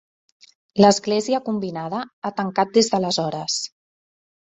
L'església combinada ha tancat des d'aleshores.